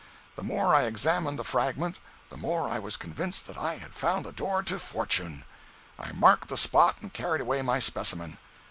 The more I examined the fragment the more I was convinced that I had found the door to fortune. I marked the spot and carried away my specimen.